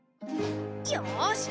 よし！